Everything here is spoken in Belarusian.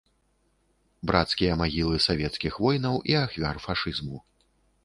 Брацкія магілы савецкіх воінаў і ахвяр фашызму.